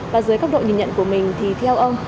và dưới góc độ nhìn nhận của mình thì theo ông